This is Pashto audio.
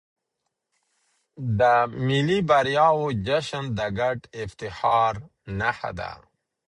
د ملي بریاوو جشن د ګډ افتخار نښه ده.